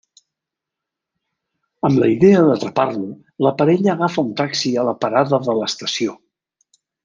Amb la idea d'atrapar-lo, la parella agafa un taxi a la parada de l'estació.